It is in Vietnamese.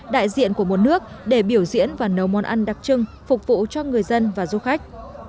đại diện của một nước để biểu diễn và nấu món ăn đặc trưng phục vụ cho người dân và du khách